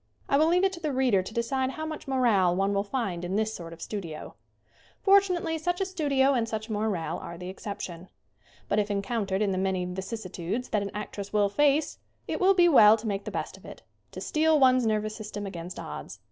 I will leave it to the reader to decide how much morale one will find in this sort of studio. Fortunately such a studio and such a morale are the exception. But, if encountered in the many vicissitudes that an actress will face, it will be well to make the best of it ; to steel one's nervous system against odds.